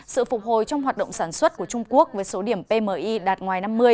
sự phục hồi trong hoạt động sản xuất của trung quốc với số điểm pmi đạt ngoài năm mươi